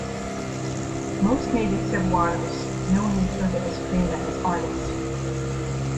Most native Cebuanos know and refer to Eskrima as "Arnis".